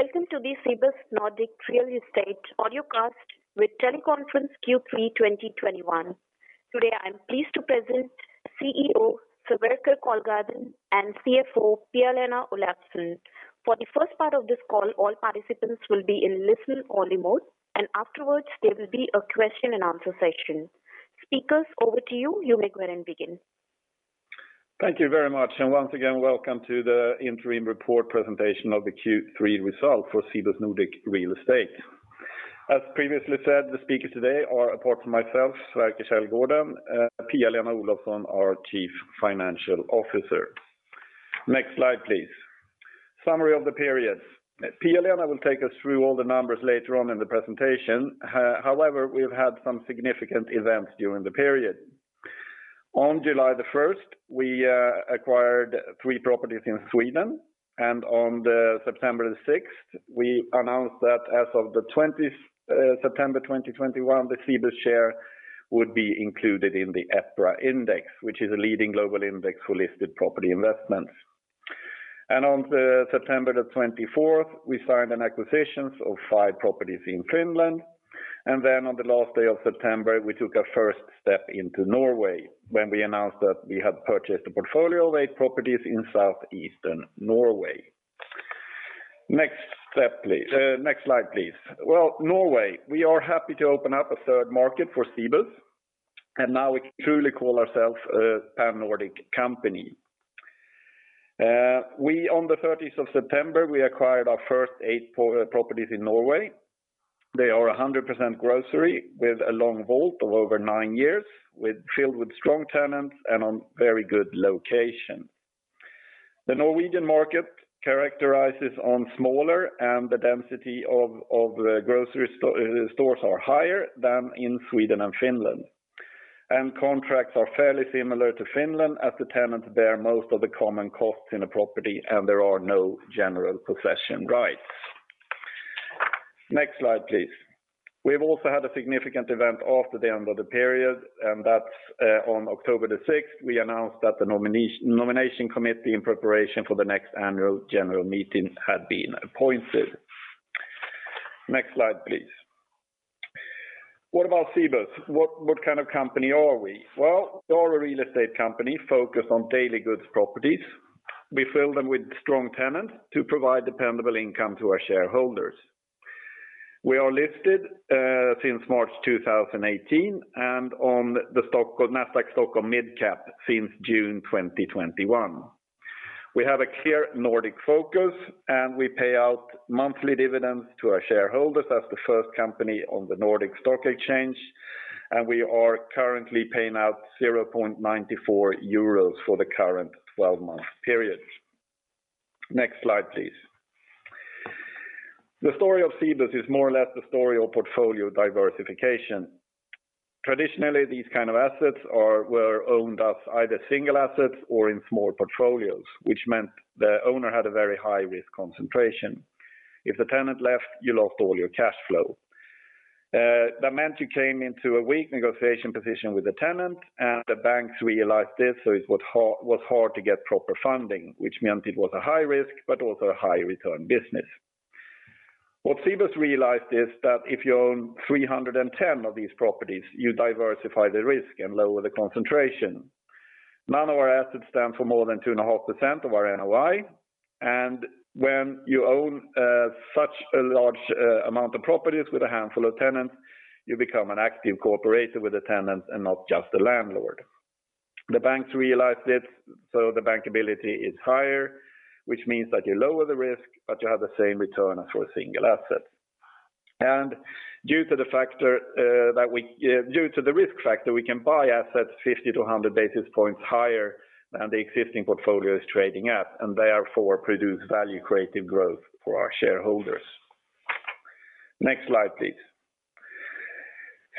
Welcome to the Cibus Nordic Real Estate audiocast with teleconference Q3 2021. Today, I'm pleased to present CEO Sverker Källgården and CFO Pia-Lena Olofsson. For the first part of this call, all participants will be in listen-only mode, and afterwards, there will be a question and answer session. Speakers, over to you. You may go ahead and begin. Thank you very much. Once again, welcome to the interim report presentation of the Q3 result for Cibus Nordic Real Estate. As previously said, the speakers today are, apart from myself, Sverker Källgården, Pia-Lena Olofsson, our Chief Financial Officer. Next slide, please. Summary of the periods. Pia-Lena will take us through all the numbers later on in the presentation. However, we have had some significant events during the period. On July the 1st, we acquired three properties in Sweden, and on September 6th, we announced that as of September 2021, the Cibus share would be included in the EPRA Index, which is a leading global index for listed property investments. On September the 24th, we signed acquisitions of five properties in Finland. Then on the last day of September, we took our first step into Norway when we announced that we had purchased a portfolio of eight properties in southeastern Norway. Next step, please. Next slide, please. Well, Norway, we are happy to open up a third market for Cibus, and now we can truly call ourselves a Pan-Nordic company. We on the 30th of September, we acquired our first eight properties in Norway. They are 100% grocery with a long WALT of over nine years, filled with strong tenants and on very good location. The Norwegian market is characterized by smaller, and the density of grocery stores are higher than in Sweden and Finland. Contracts are fairly similar to Finland as the tenants bear most of the common costs in a property, and there are no general possession rights. Next slide, please. We've also had a significant event after the end of the period, and that's on October 6th, we announced that the nomination committee in preparation for the next annual general meeting had been appointed. Next slide, please. What about Cibus? What kind of company are we? Well, we are a real estate company focused on daily goods properties. We fill them with strong tenants to provide dependable income to our shareholders. We are listed since March 2018 and on the NASDAQ Stockholm Mid Cap since June 2021. We have a clear Nordic focus, and we pay out monthly dividends to our shareholders as the first company on the Nordic Stock Exchange, and we are currently paying out 0.94 euros for the current 12-month period. Next slide, please. The story of Cibus is more or less the story of portfolio diversification. Traditionally, these kind of assets were owned as either single assets or in small portfolios, which meant the owner had a very high-risk concentration. If the tenant left, you lost all your cash flow. That meant you came into a weak negotiation position with the tenant and the banks realized this, so it was hard to get proper funding, which meant it was a high risk, but also a high return business. What Cibus realized is that if you own 310 of these properties, you diversify the risk and lower the concentration. None of our assets stand for more than 2.5% of our NOI. When you own such a large amount of properties with a handful of tenants, you become an active corporator with the tenant and not just the landlord. The banks realized this, so the bankability is higher, which means that you lower the risk, but you have the same return as for a single asset. Due to the risk factor, we can buy assets 50-100 basis points higher than the existing portfolio is trading at, and therefore produce value creative growth for our shareholders. Next slide, please.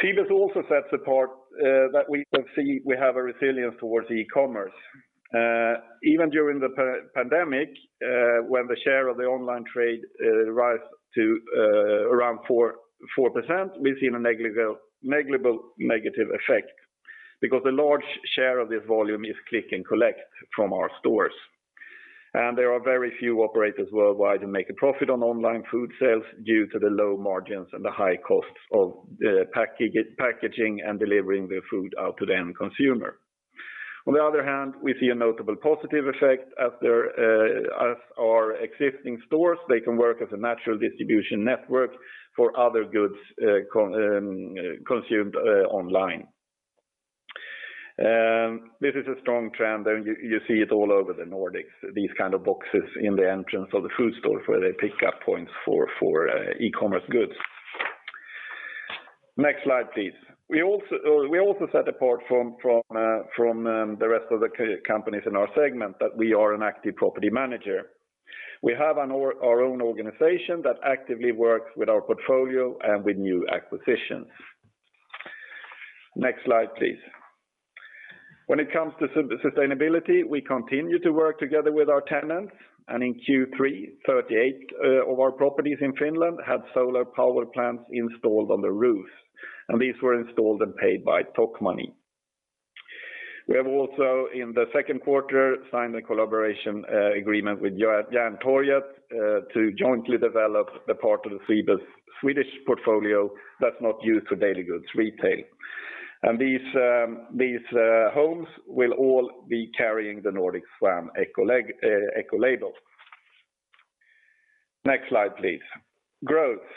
Cibus also sets apart that we can see we have a resilience towards e-commerce. Even during the pandemic, when the share of the online trade rose to around 4%, we've seen a negligible negative effect because a large share of this volume is click and collect from our stores. There are very few operators worldwide who make a profit on online food sales due to the low margins and the high costs of packaging and delivering the food out to the end consumer. On the other hand, we see a notable positive effect as our existing stores, they can work as a natural distribution network for other goods consumed online. This is a strong trend, and you see it all over the Nordics, these kind of boxes in the entrance of the food store where they pick up points for e-commerce goods. Next slide, please. We also set apart from the rest of the companies in our segment that we are an active property manager. We have our own organization that actively works with our portfolio and with new acquisitions. Next slide, please. When it comes to sustainability, we continue to work together with our tenants. In Q3, 38 of our properties in Finland had solar power plants installed on the roofs, and these were installed and paid by Tokmanni. We have also in the second quarter signed a collaboration agreement with Järntorget to jointly develop the part of the Cibus Swedish portfolio that's not used for daily goods retail. These homes will all be carrying the Nordic Swan Ecolabel. Next slide, please. Growth.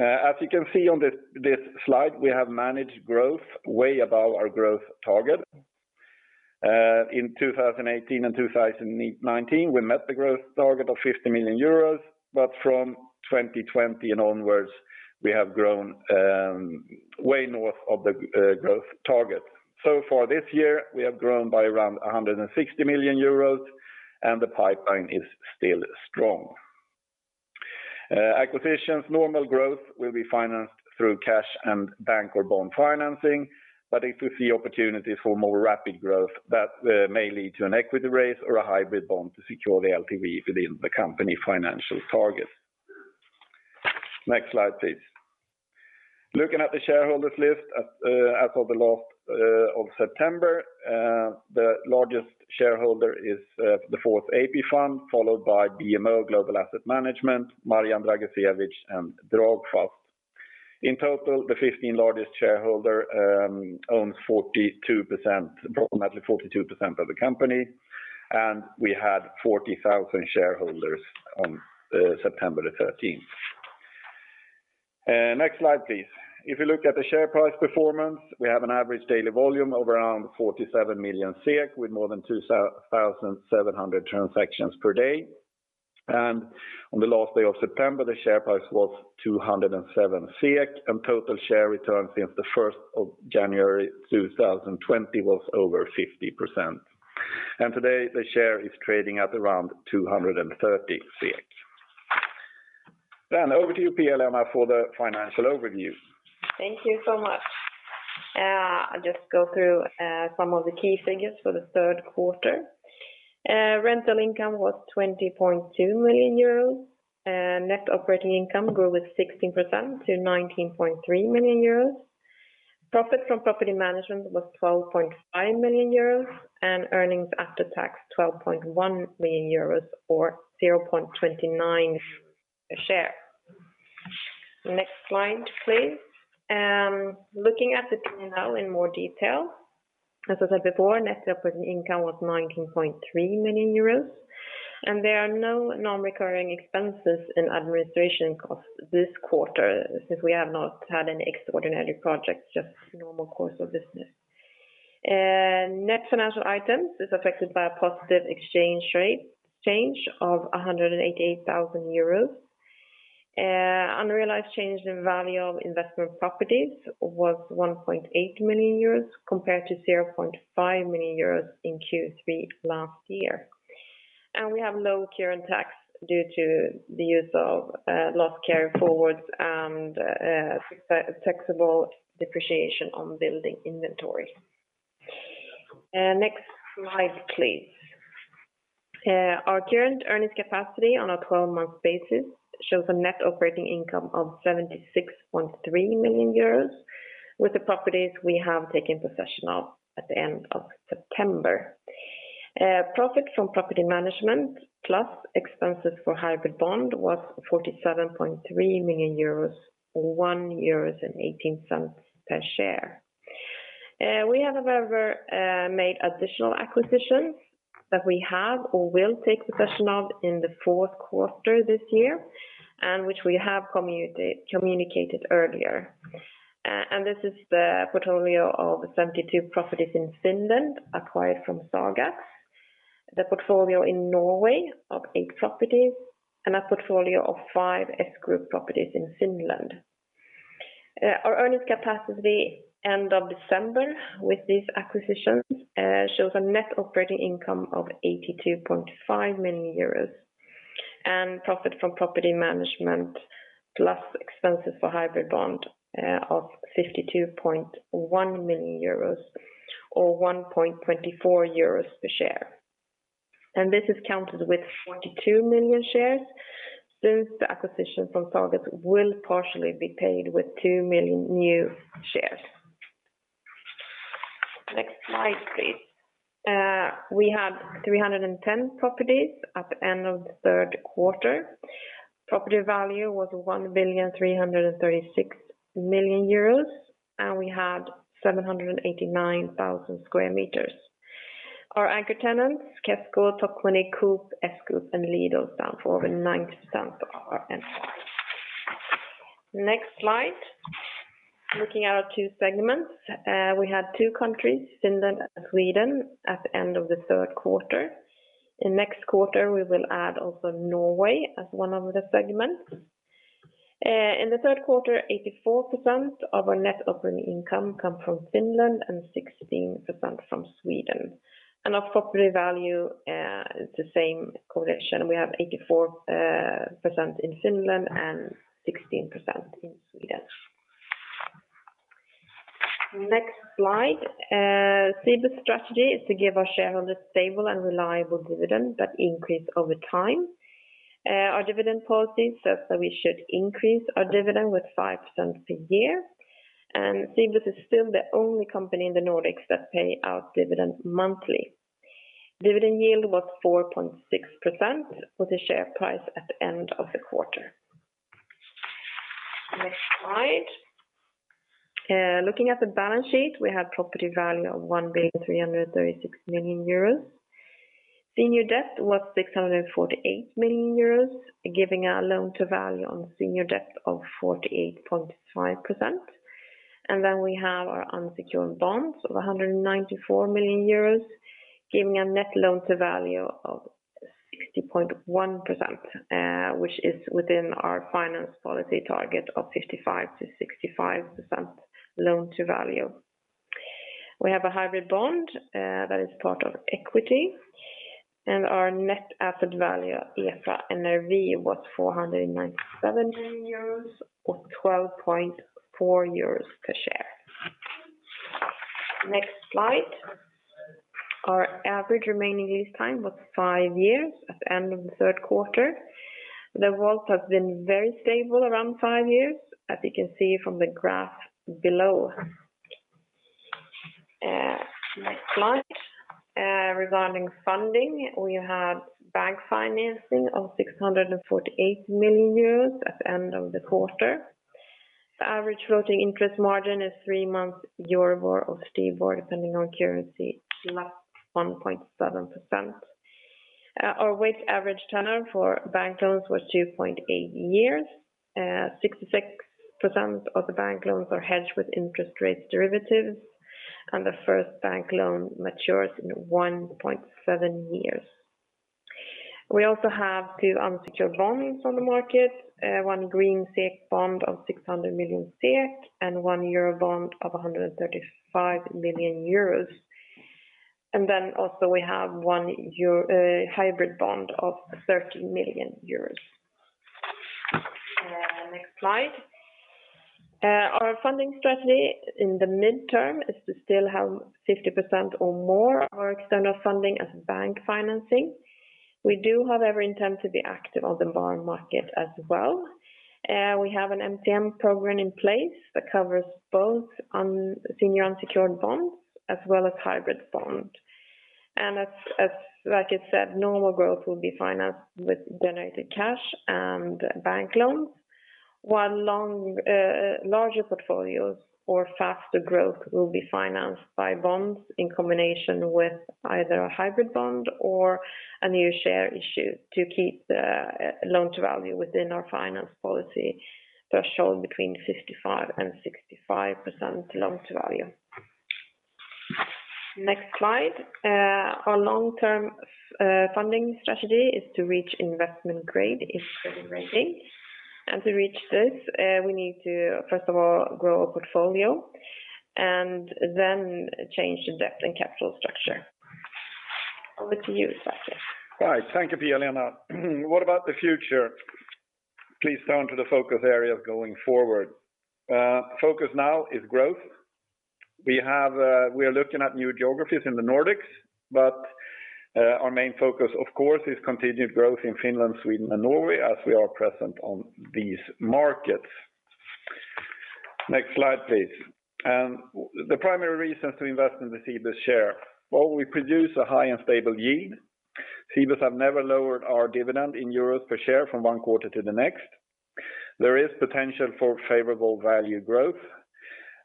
As you can see on this slide, we have managed growth way above our growth target. In 2018 and 2019, we met the growth target of 50 million euros, but from 2020 and onwards, we have grown way north of the growth target. So far this year, we have grown by around 160 million euros, and the pipeline is still strong. Acquisitions normal growth will be financed through cash and bank or bond financing. If we see opportunities for more rapid growth, that may lead to an equity raise or a hybrid bond to secure the LTV within the company financial target. Next slide, please. Looking at the shareholders list as of the last of September, the largest shareholder is the fourth AP fund, followed by BMO Global Asset Management, Marian Bragecevic, and Dragfast. In total, the 15 largest shareholder owns 42%, approximately 42% of the company, and we had 40,000 shareholders on September 13th. Next slide, please. If you look at the share price performance, we have an average daily volume of around 47 million SEK with more than 2,700 transactions per day. On the last day of September, the share price was 207, and total share return since 1st January, 2020 was over 50%. Today, the share is trading at around 230. Over to you, Pia-Lena Olofsson, for the financial overview. Thank you so much. I'll just go through some of the key figures for the third quarter. Rental income was 20.2 million euros. Net operating income grew with 16% to 19.3 million euros. Profit from property management was 12.5 million euros, and earnings after tax 12.1 million euros or 0.29 a share. Next slide, please. Looking at the P&L in more detail. As I said before, net operating income was 19.3 million euros, and there are no non-recurring expenses in administration costs this quarter since we have not had any extraordinary projects, just normal course of business. Net financial items is affected by a positive exchange rate change of 188,000 euros. Unrealized change in value of investment properties was 1.8 million euros compared to 0.5 million euros in Q3 last year. We have low current tax due to the use of loss carry-forwards and excess taxable depreciation on building inventory. Next slide, please. Our current earnings capacity on a 12-month basis shows a net operating income of 76.3 million euros with the properties we have taken possession of at the end of September. Profit from property management plus expenses for hybrid bond was 47.3 million euros or 1.18 euros per share. We have however made additional acquisitions that we have or will take possession of in the fourth quarter this year, and which we have communicated earlier. This is the portfolio of 72 properties in Finland acquired from Sagax, the portfolio in Norway of eight properties, and a portfolio of five S Group properties in Finland. Our earnings capacity end of December with these acquisitions shows a net operating income of 82.5 million euros and profit from property management plus expenses for hybrid bond of 52.1 million euros or 1.24 euros per share. This is counted with 42 million shares since the acquisition from Sagax will partially be paid with 2 million new shares. Next slide, please. We had 310 properties at the end of the third quarter. Property value was 1,336 million euros, and we had 789,000 sq m. Our anchor tenants, Kesko, Tokmanni, Coop, S Group, and Lidl, stand for over 90% of our NOI. Next slide. Looking at our two segments. We had two countries, Finland and Sweden, at the end of the third quarter. In next quarter, we will add also Norway as one of the segments. In the third quarter, 84% of our net operating income come from Finland and 16% from Sweden. Our property value, the same correlation. We have 84% in Finland and 16% in Sweden. Next slide. Cibus strategy is to give our shareholders stable and reliable dividend that increase over time. Our dividend policy says that we should increase our dividend with 0.05 per year. Cibus is still the only company in the Nordics that pay out dividend monthly. Dividend yield was 4.6% with the share price at the end of the quarter. Next slide. Looking at the balance sheet, we have property value of 1,336 million euros. Senior debt was 648 million euros, giving our loan to value on senior debt of 48.5%. We have our unsecured bonds of 194 million euros, giving a net loan to value of 60.1%, which is within our finance policy target of 55%-65% loan to value. We have a hybrid bond that is part of equity and our net asset value, EPRA NRV, was 497 million euros or 12.4 euros per share. Next slide. Our average remaining lease time was five years at the end of the third quarter. The WALT has been very stable around five years, as you can see from the graph below. Next slide. Regarding funding, we had bank financing of 648 million euros at the end of the quarter. The average floating interest margin is three-month Euribor or STIBOR, depending on currency, +1.7%. Our weighted average tenure for bank loans was 2.8 years. 66% of the bank loans are hedged with interest rate derivatives, and the first bank loan matures in 1.7 years. We also have two unsecured bonds on the market, one green SEK bond of 600 million SEK and one euro bond of 135 million euros. We have one hybrid bond of 30 million euros. Next slide. Our funding strategy in the midterm is to still have 50% or more our external funding as bank financing. We do, however, intend to be active on the bond market as well. We have an MTN program in place that covers both senior unsecured bonds as well as hybrid bond. As like I said, normal growth will be financed with generated cash and bank loans, while larger portfolios or faster growth will be financed by bonds in combination with either a hybrid bond or a new share issue to keep the loan to value within our finance policy threshold between 55%-65% loan to value. Next slide. Our long-term funding strategy is to reach investment grade in credit rating. To reach this, we need to, first of all, grow our portfolio and then change the debt and capital structure. Over to you, Sverker. Right. Thank you, Pia-Lena. What about the future? Please turn to the focus area going forward. Focus now is growth. We are looking at new geographies in the Nordics, but our main focus, of course, is continued growth in Finland, Sweden, and Norway as we are present on these markets. Next slide, please. The primary reasons to invest in the Cibus share. Well, we produce a high and stable yield. Cibus have never lowered our dividend in euros per share from one quarter to the next. There is potential for favorable value growth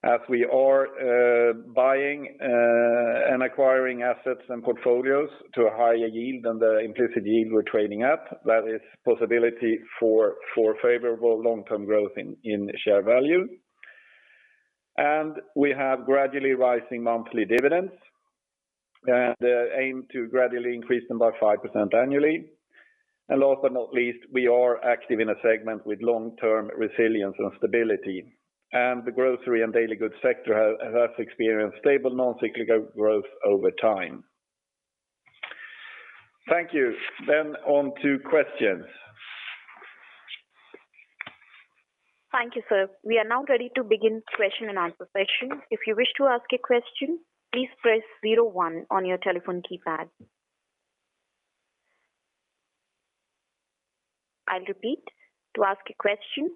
as we are buying and acquiring assets and portfolios to a higher yield than the implicit yield we're trading at. That is possibility for favorable long-term growth in share value. We have gradually rising monthly dividends, the aim to gradually increase them by 5% annually. Last but not least, we are active in a segment with long-term resilience and stability. The grocery and daily goods sector has experienced stable non-cyclical growth over time. Thank you. On to questions. Thank you, sir. We are now ready to begin question and answer session. If you wish to ask a question, please press zero one on your telephone keypad. I'll repeat. To ask a question,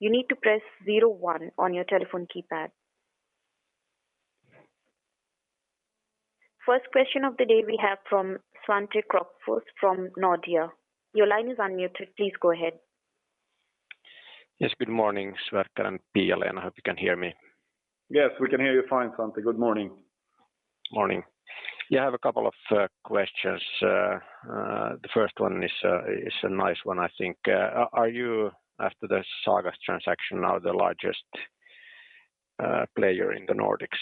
you need to press zero one on your telephone keypad. First question of the day we have from Svante Krokfors from Nordea. Your line is unmuted. Please go ahead. Yes, good morning, Sverker and Pia-Lena. I hope you can hear me. Yes, we can hear you fine, Svante. Good morning. Morning. Yeah, I have a couple of questions. The first one is a nice one, I think. Are you, after the Sagax transaction, now the largest player in the Nordics?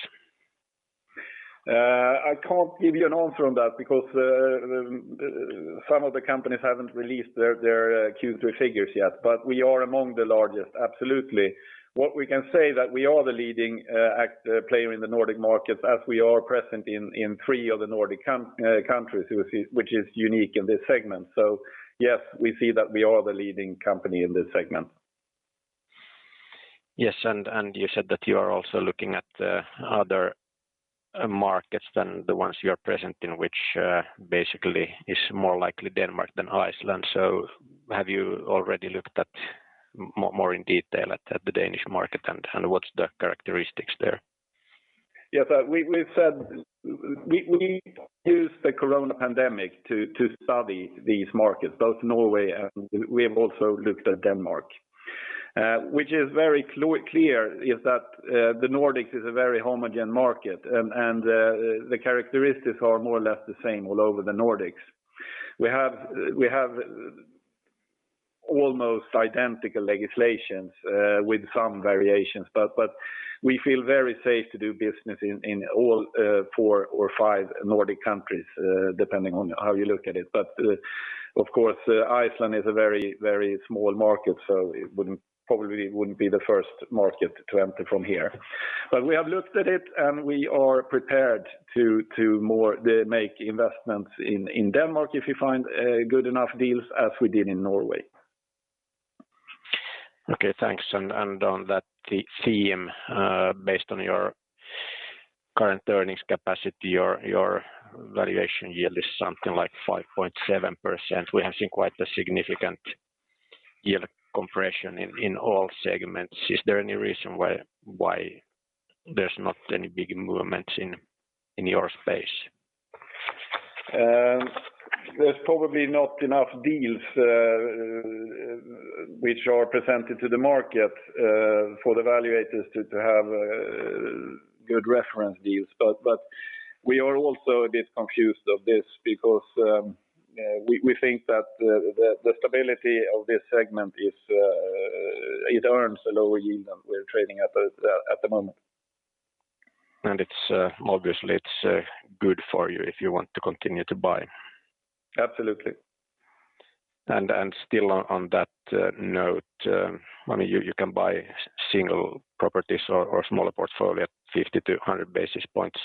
I can't give you an answer on that because some of the companies haven't released their Q3 figures yet. We are among the largest, absolutely. What we can say is that we are the leading player in the Nordic markets as we are present in three of the Nordic countries, which is unique in this segment. Yes, we see that we are the leading company in this segment. Yes, you said that you are also looking at other markets than the ones you are present in which basically is more likely Denmark than Iceland. Have you already looked at more in detail at the Danish market and what's the characteristics there? We've said we use the corona pandemic to study these markets, both Norway and we have also looked at Denmark. Which is very clear is that the Nordics is a very homogeneous market and the characteristics are more or less the same all over the Nordics. We have almost identical legislation with some variations, but we feel very safe to do business in all four or five Nordic countries depending on how you look at it. Of course, Iceland is a very, very small market, so it probably wouldn't be the first market to enter from here. We have looked at it and we are prepared to make investments in Denmark if you find good enough deals as we did in Norway. Okay, thanks. On that theme, based on your current earnings capacity, your valuation yield is something like 5.7%. We have seen quite a significant yield compression in all segments. Is there any reason why there's not any big movements in your space? There's probably not enough deals which are presented to the market for the evaluators to have good reference deals. We are also a bit confused of this because we think that the stability of this segment is. It earns a lower yield than we're trading at the moment. It's obviously good for you if you want to continue to buy. Absolutely. Still on that note, I mean, you can buy single properties or smaller portfolio at 50-100 basis points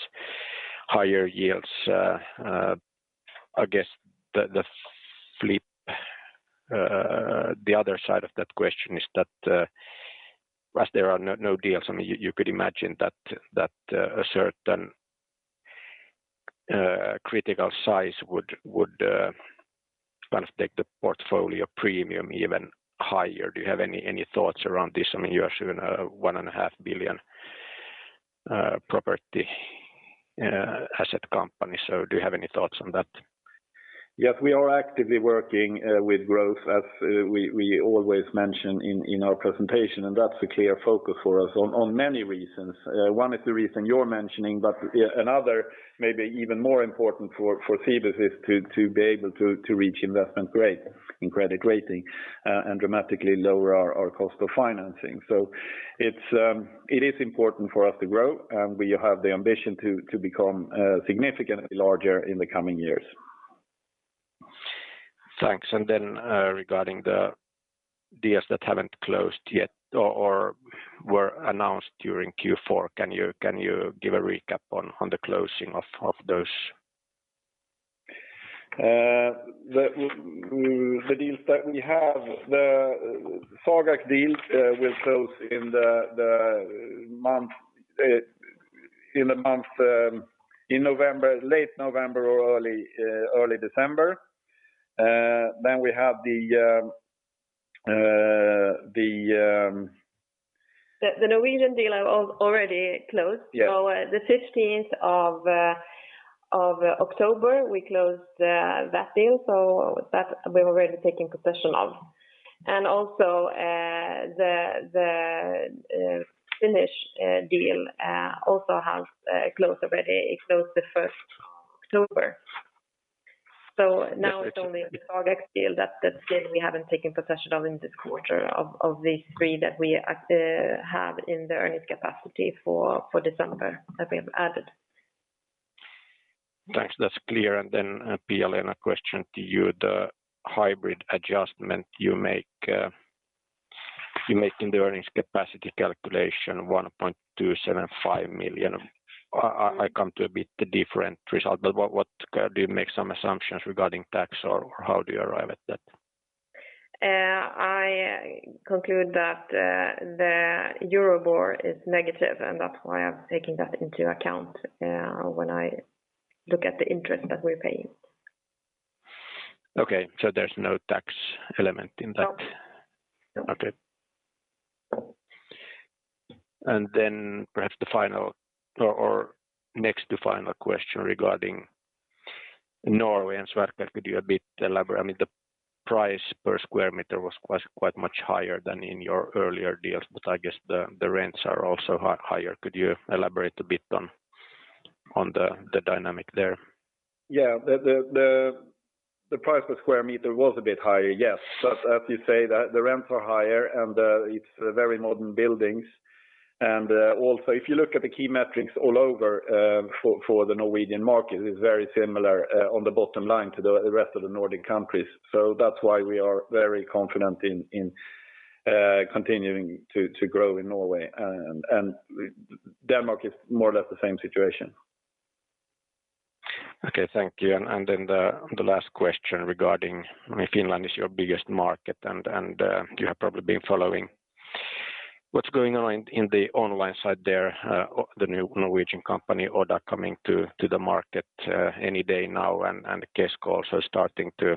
higher yields. I guess the flip, the other side of that question is that, as there are no deals, I mean, you could imagine that a certain critical size would kind of take the portfolio premium even higher. Do you have any thoughts around this? I mean, you are still in a 1.5 billion property asset company. Do you have any thoughts on that? Yes, we are actively working with growth as we always mention in our presentation, and that's a clear focus for us on many reasons. One is the reason you're mentioning, but another maybe even more important for Cibus is to be able to reach investment grade in credit rating and dramatically lower our cost of financing. It is important for us to grow, and we have the ambition to become significantly larger in the coming years. Thanks. Regarding the deals that haven't closed yet or were announced during Q4, can you give a recap on the closing of those? The deals that we have, the Sagax deal, will close in the month in November, late November or early December. Then we have the- The Norwegian deal are already closed. Yeah. The 15th of October we closed that deal that we're already taking possession of. Also the Finnish deal also has closed already. It closed the 1st of October. Now it's only the Fagerk deal that still we haven't taken possession of in this quarter of the three that we have in the earnings capacity for December that we have added. Thanks. That's clear. Pia-Lena, a question to you. The hybrid adjustment you make in the earnings capacity calculation 1.275 million. I come to a bit different result, but what do you make some assumptions regarding tax or how do you arrive at that? I conclude that the Euribor is negative, and that's why I'm taking that into account when I look at the interest that we're paying. Okay. There's no tax element in that? No. Okay. Perhaps the final or next to final question regarding Norway and Sverker, could you a bit elaborate. I mean, the price per square meter was quite much higher than in your earlier deals, but I guess the rents are also higher. Could you elaborate a bit on the dynamic there? Yeah. The price per square meter was a bit higher, yes. As you say, the rents are higher and it's very modern buildings. Also if you look at the key metrics all over for the Norwegian market, it's very similar on the bottom line to the rest of the Nordic countries. That's why we are very confident in continuing to grow in Norway and Denmark is more or less the same situation. Okay, thank you. The last question regarding if Finland is your biggest market and you have probably been following what's going on in the online side there. The new Norwegian company, Oda, coming to the market any day now and Kesko also starting to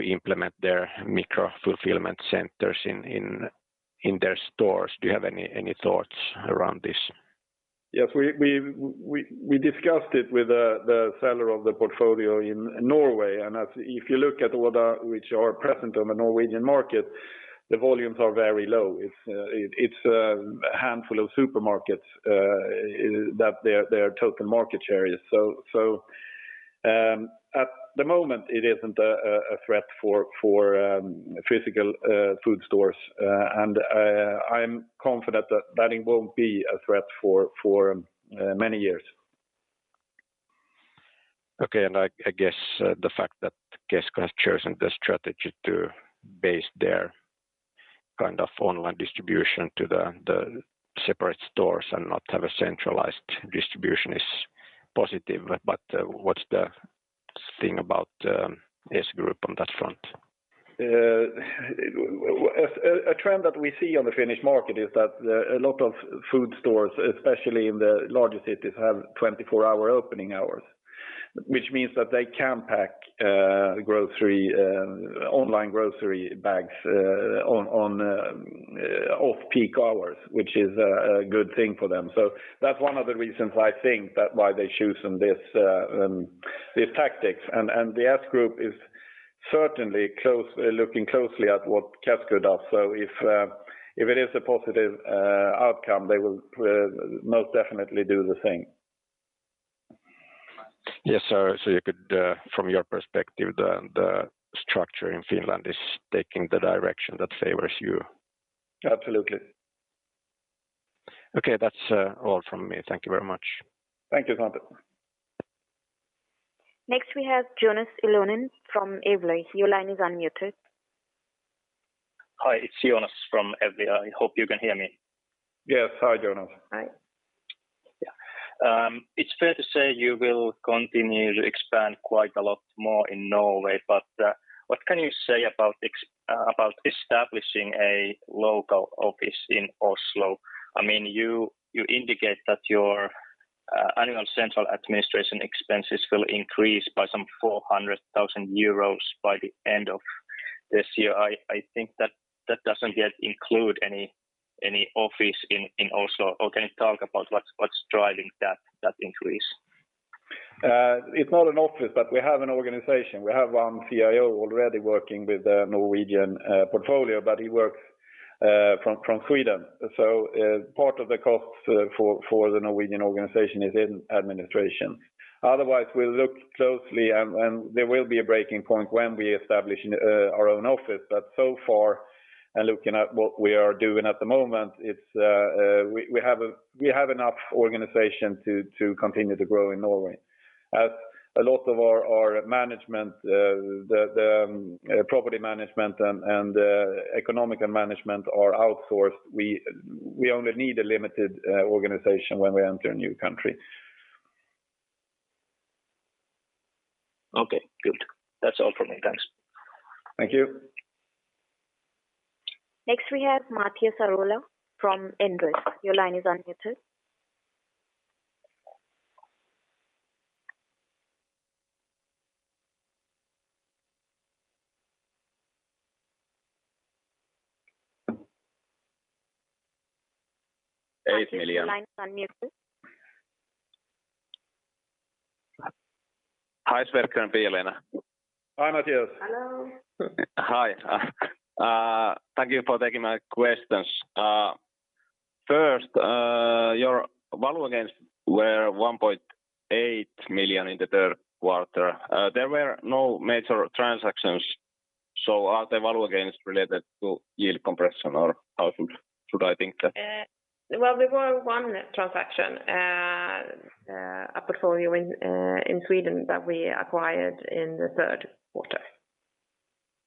implement their micro-fulfillment centers in their stores. Do you have any thoughts around this? Yes. We discussed it with the seller of the portfolio in Norway. If you look at Oda which are present on the Norwegian market, the volumes are very low. It's a handful of supermarkets in that their taken market share is. At the moment, it isn't a threat for physical food stores. I'm confident that it won't be a threat for many years. Okay. I guess the fact that Kesko has chosen the strategy to base their kind of online distribution to the separate stores and not have a centralized distribution is positive. But what's the same thing about S Group on that front? What a trend that we see on the Finnish market is that a lot of food stores, especially in the larger cities, have 24-hour opening hours, which means that they can pack online grocery bags on off-peak hours, which is a good thing for them. That's one of the reasons I think that why they're choosing this tactics. The S Group is certainly looking closely at what Kesko does. If it is a positive outcome, they will most definitely do the thing. Yes. You could, from your perspective, the structure in Finland is taking the direction that favors you? Absolutely. Okay. That's all from me. Thank you very much. Thank you, Svante Krokfors. Next, we have Joonas Ilvonen from Evli. Your line is unmuted. Hi, it's Joonas from Evli. I hope you can hear me. Yes. Hi, Joonas. Hi. Yeah. It's fair to say you will continue to expand quite a lot more in Norway. What can you say about establishing a local office in Oslo? I mean, you indicate that your annual central administration expenses will increase by some 400,000 euros by the end of this year. I think that doesn't yet include any office in Oslo. Can you talk about what's driving that increase? It's not an office, but we have an organization. We have one CIO already working with the Norwegian portfolio, but he works from Sweden. Part of the cost for the Norwegian organization is in administration. Otherwise, we'll look closely and there will be a breaking point when we establish our own office. So far, and looking at what we are doing at the moment, we have enough organization to continue to grow in Norway. As a lot of our management, the property management and economic and management are outsourced, we only need a limited organization when we enter a new country. Okay, good. That's all from me. Thanks. Thank you. Next, we have Matias Arola from Inderes. Your line is unmuted. Matias, your line is unmuted. Hi. Sverker and Pia-Lena. Hi, Matias. Hello. Hi. Thank you for taking my questions. First, your value gains were 1.8 million in the third quarter. There were no major transactions. Are the value gains related to yield compression or how should I think that? Well, there were one transaction, a portfolio in Sweden that we acquired in the third quarter.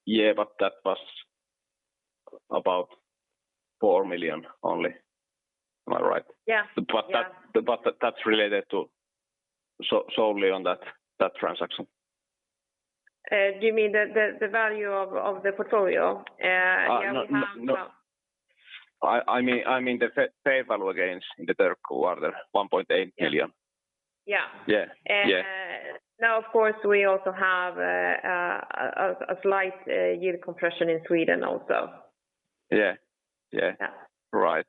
Yeah, that was about 4 million only. Am I right? Yeah. Yeah. That's related solely to that transaction. Do you mean the value of the portfolio? We also have- No. I mean, the fair value gains in the third quarter, 1.8 million. Yeah. Yeah. Yeah. Now, of course, we also have a slight yield compression in Sweden also. Yeah. Yeah. Yeah. Right.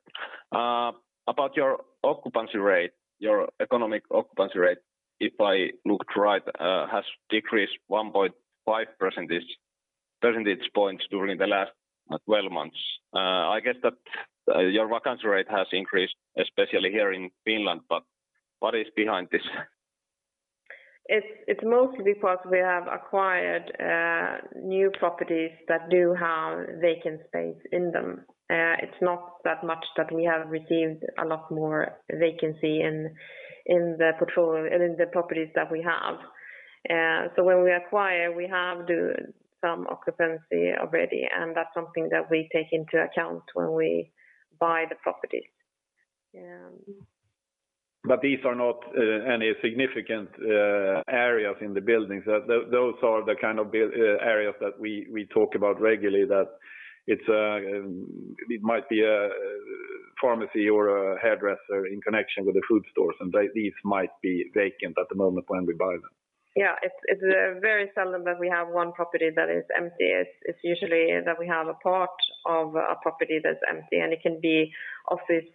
About your occupancy rate, your economic occupancy rate, if I looked right, has decreased 1.5 percentage points during the last 12 months. I guess that your vacancy rate has increased, especially here in Finland. What is behind this? It's mostly because we have acquired new properties that do have vacant space in them. It's not that much that we have received a lot more vacancy in the portfolio, I mean, the properties that we have. When we acquire, we have some occupancy already, and that's something that we take into account when we buy the property. These are not any significant areas in the buildings. Those are the kind of building areas that we talk about regularly that it might be a pharmacy or a hairdresser in connection with the food stores, and these might be vacant at the moment when we buy them. Yeah. It's very seldom that we have one property that is empty. It's usually that we have a part of a property that's empty, and it can be office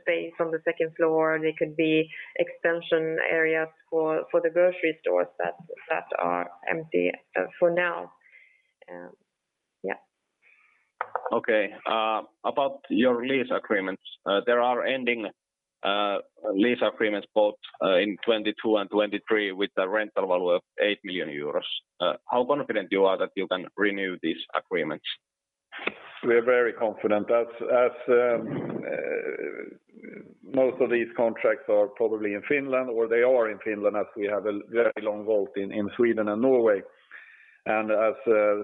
space on the second floor. They could be extension areas for the grocery stores that are empty for now. Yeah. Okay. About your lease agreements, there are ending lease agreements both in 2022 and 2023 with the rental value of 8 million euros. How confident you are that you can renew these agreements? We're very confident. Most of these contracts are probably in Finland, or they are in Finland, as we have a very long WALT in Sweden and Norway.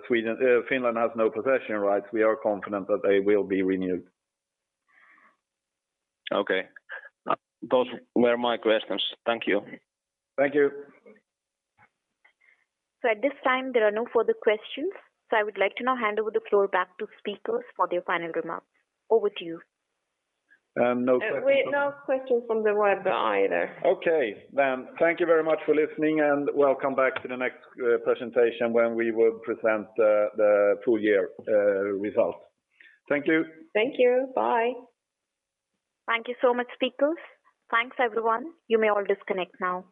Sweden and Finland has no possession rights, we are confident that they will be renewed. Okay. Those were my questions. Thank you. Thank you. At this time, there are no further questions. I would like to now hand over the floor back to speakers for their final remarks. Over to you. No questions. No questions from the web either. Okay. Thank you very much for listening, and welcome back to the next presentation when we will present the full year results. Thank you. Thank you. Bye. Thank you so much, speakers. Thanks, everyone. You may all disconnect now.